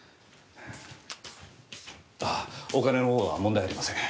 ああお金のほうは問題ありません。